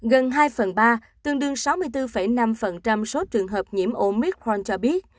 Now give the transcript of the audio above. gần hai phần ba tương đương sáu mươi bốn năm số trường hợp nhiễm omicron cho biết